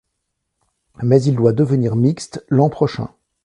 Mais il doit devenir mixte l’an prochain.